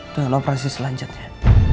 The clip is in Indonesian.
tentang operasi selanjutnya